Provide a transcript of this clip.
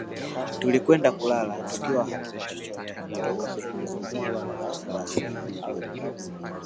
Tulikwenda kulala tukiwa hatuna chochote kutoka mlimani ila wasiwasi